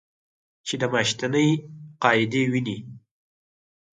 چې د میاشتنۍ قاعدې وینې